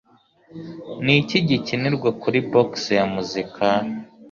Ni iki gikinirwa kuri Boxe ya Muzika?